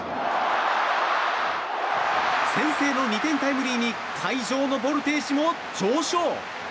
先制の２点タイムリーに会場のボルテージも上昇。